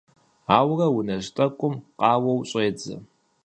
Ауэрэ унэжь тӀэкӀум къауэу щӀедзэ.